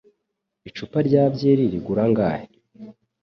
Icupa rya byeri rigura angahe?